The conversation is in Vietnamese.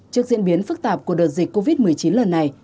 trước diễn biến phức tạp của đợt dịch covid một mươi chín lần này